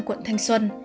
quận thanh xuân